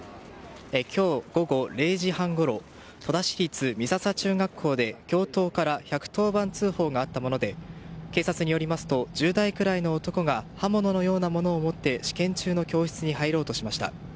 今日、午後０時半ごろ戸田市立美笹中学校で教頭から１１０番通報があったもので警察によりますと１０代くらいの男が刃物のようなものを持って試験中の教室に入ろうとしました。